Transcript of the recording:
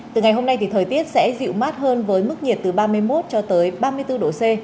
từ ngày hôm nay thì thời tiết sẽ dịu mát hơn với mức nhiệt từ ba mươi một cho tới ba mươi bốn độ c